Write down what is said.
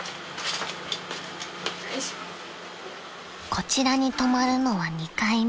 ［こちらに泊まるのは２回目］